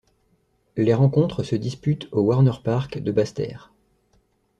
Les rencontres se disputent au Warner Park de Basseterre.